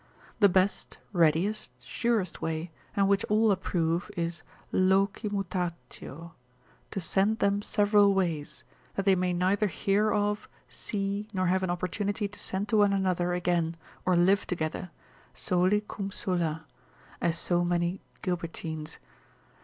The best, readiest, surest way, and which all approve, is Loci mutatio, to send them several ways, that they may neither hear of, see, nor have an opportunity to send to one another again, or live together, soli cum sola, as so many Gilbertines.